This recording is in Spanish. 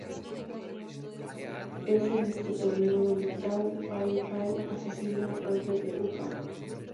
Es en este torneo donde Tao Pai Pai asesina al padre de Upa.